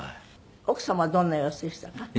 奥様はどんな様子でしたか？